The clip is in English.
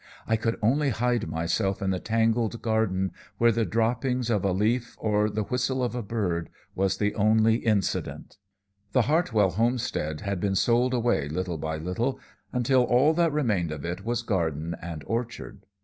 I could only hide myself in the tangled garden, where the dropping of a leaf or the whistle of a bird was the only incident. "The Hartwell homestead had been sold away little by little, until all that remained of it was garden and orchard.